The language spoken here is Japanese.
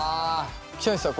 北西さん